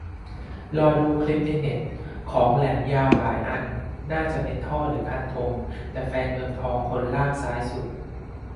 รอดูคลิปในเน็ต ของแหลมยาวหลายอันน่าจะเป็นท่อหรือคันธง แต่แฟนเมืองทองคนล่างซ้ายสุด